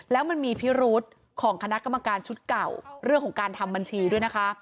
แล้วมันมีพิรุษของคณะกรรมการชุดเก่าเรื่องของการทำบัญชีด้วยนะคะ